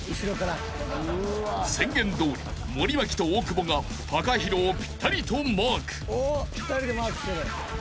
［宣言どおり森脇と大久保がＴＡＫＡＨＩＲＯをぴったりとマーク］